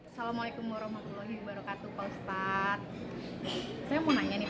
assalamualaikum warahmatullahi wabarakatuh